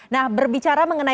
nah berbicara mengenai